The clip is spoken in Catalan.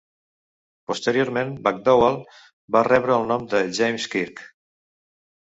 Posteriorment McDowall va rebre el nom de James Kirk.